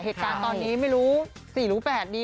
เหตุการณ์ตอนนี้ไม่รู้๔รู้๘ดี